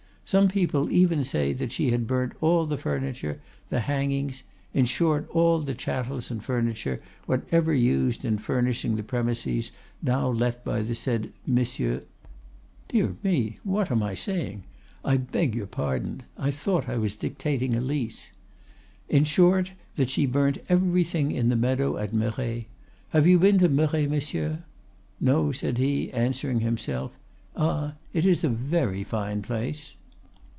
Some people even say that she had burnt all the furniture, the hangings—in short, all the chattels and furniture whatever used in furnishing the premises now let by the said M.—(Dear, what am I saying? I beg your pardon, I thought I was dictating a lease.)—In short, that she burnt everything in the meadow at Merret. Have you been to Merret, monsieur?—No,' said he, answering himself, 'Ah, it is a very fine place.